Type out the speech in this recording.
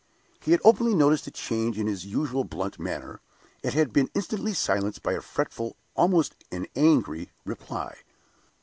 He had openly noticed the change in his usual blunt manner, and had been instantly silenced by a fretful, almost an angry, reply.